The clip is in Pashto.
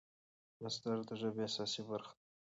مصدر د ژبي اساسي برخه ده.